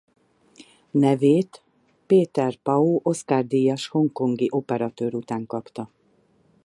Nevét Peter Pau Oscar-díjas hongkongi operatőr után kapta.